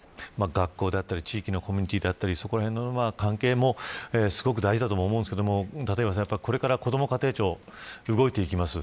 学校であったり地域のコミュニティーであったりそこらへんの関係もすごく大事だと思いますが立岩さん、これから子ども家庭庁、動いていきます。